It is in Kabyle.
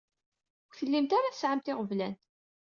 Ur tellimt ara tesɛamt iɣeblan.